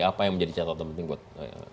apa yang menjadi catatan penting buat